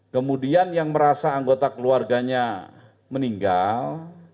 kemudian yang merasa anggota keluarganya meninggal